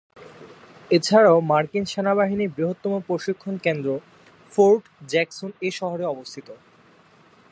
এ ছাড়াও মার্কিন সেনাবাহিনীর বৃহত্তম প্রশিক্ষণ কেন্দ্র ফোর্ট জ্যাকসন এ শহরে অবস্থিত।